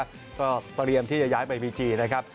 แล้วก็เตรียมที่จะย้ายไปบีจีนะครับ